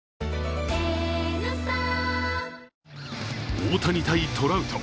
大谷対トラウト。